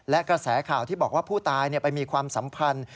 และกระแสข่าวที่บอกว่าผู้ตายไปมีความสัมพันธ์